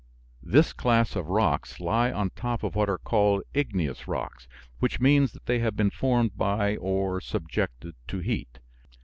This class of rocks lie on top of what are called "Igneous" rocks, which means that they have been formed by or subjected to heat.